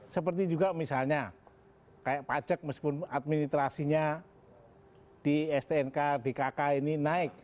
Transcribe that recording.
seperti juga misalnya kayak pajak meskipun administrasinya di stnk dkk ini naik